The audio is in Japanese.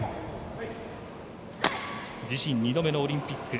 自身２度目のオリンピック。